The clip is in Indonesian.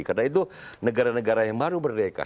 karena itu negara negara yang baru berdekat